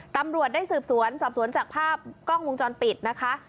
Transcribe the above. ตำรวจได้สืบสวนสอบสวนจากภาพกล้องวงจรปิดนะคะ